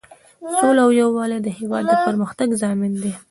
سوله او یووالی د هیواد د پرمختګ ضامن دی.